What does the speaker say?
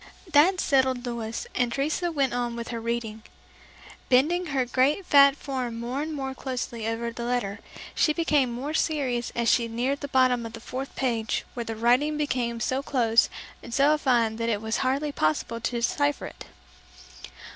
That settled Louis, and Teresa went on with her reading. Bending her great fat form more and more closely over the letter, she became more serious as she neared the bottom of the fourth page where the writing became so close and so fine that it was hardly possible to decipher it.